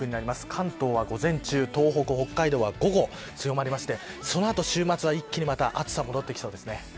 関東は午前中東北、北海道は午後強まりまして、その後週末はまた一気に暑さが戻ってきそうです。